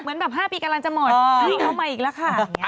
เหมือนแบบ๕ปีกำลังจะหมดวิ่งเข้ามาอีกแล้วค่ะ